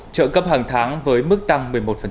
trợ cấp hàng tháng với mức tăng một mươi một